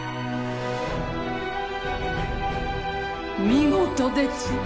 見事です！